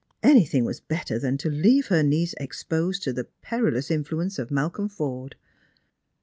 Anything was better than to leave her niece exposed to the perilous influence of Malcolm Forde.